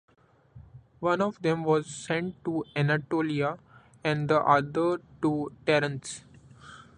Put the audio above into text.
One of them was sent to Anatolia and the other to Thrace.